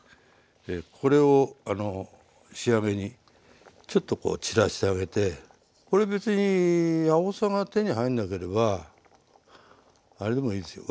これを仕上げにちょっとこう散らしてあげてこれ別にあおさが手に入んなければあれでもいいですよ